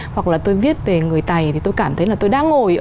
hoặc là tôi viết về người tài thì tôi cảm thấy là tôi đang ngồi